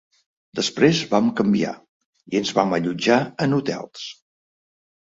Després vam canviar i ens vam allotjar en hotels.